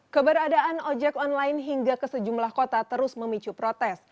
keberadaan ojek online hingga ke sejumlah kota terus memicu protes